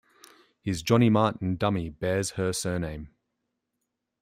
His "Johnny Martin" dummy bears her surname.